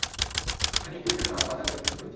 এখানে একটি বিখ্যাত বাজার ও ব্যবসাকেন্দ্র রয়েছে।